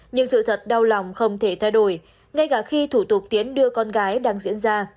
nhưng sự thật đau lòng không thể thay đổi ngay cả khi thủ tục tiến đưa con gái đang diễn ra